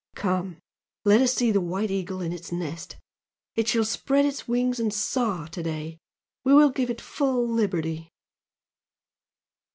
Come! let us see the White Eagle in its nest, it shall spread its wings and soar to day we will give it full liberty!"